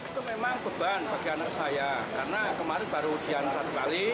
itu memang beban bagi anak saya karena kemarin baru ujian satu kali